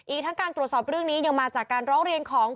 อีกทั้งการตรวจสอบเรื่องนี้ยังมาจากการร้องเรียนของ